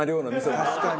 確かに。